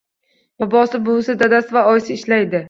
Bobosi, buvisi, dadasi va oyisi ishlaydi